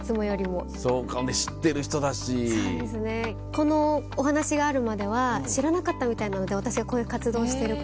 このお話があるまでは知らなかったみたいなので私がこういう活動してることを。